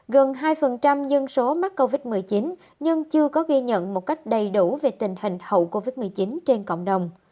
gần hai dân số mắc covid một mươi chín nhưng chưa có ghi nhận một cách đầy đủ về tình hình hậu covid một mươi chín trên cộng đồng